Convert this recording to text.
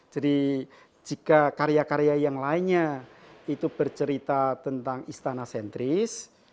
jadi jika karya karya yang lainnya itu bercerita tentang istana sentris